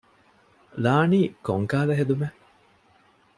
ލާނީ ކޮންކަހަލަ ހެދުމެއް؟